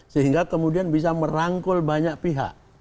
sehingga kemudian bisa merangkul banyak pihak